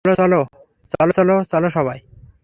চলো, চলো চলো সবাই।